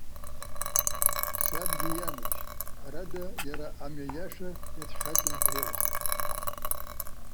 Сабгьы ианажь, ҳәарада, иара амҩа иаша иацәхьаҵыз дреиуахеит.